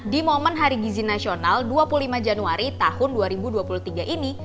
di momen hari gizi nasional dua puluh lima januari tahun dua ribu dua puluh tiga ini